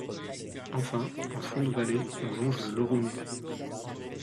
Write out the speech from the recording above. Enfin, en fond de vallée, on longe le Laurounet.